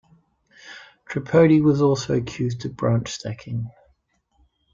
Tripodi was also accused of branch stacking.